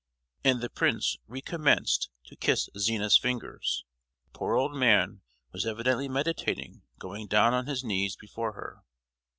And the prince recommenced to kiss Zina's fingers. The poor old man was evidently meditating going down on his knees before her.